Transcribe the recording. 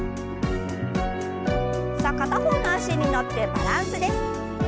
さあ片方の脚に乗ってバランスです。